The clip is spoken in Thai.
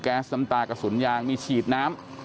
น้ำตากระสุนยางมีฉีดน้ำ